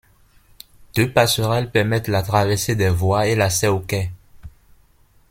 Deux passerelles permettent la traversée des voies et l'accès aux quais.